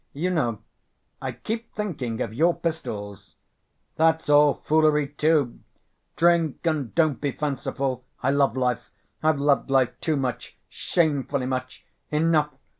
"You know, I keep thinking of your pistols." "That's all foolery, too! Drink, and don't be fanciful. I love life. I've loved life too much, shamefully much. Enough!